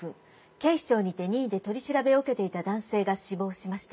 警視庁にて任意で取り調べを受けていた男性が死亡しました。